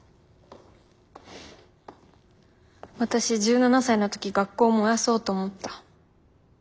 私１７才の時学校を燃やそうと思った。